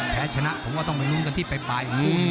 แผลชนะผมก็ต้องมึงดูจะตีไปเลย